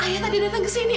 ayah tadi datang kesini om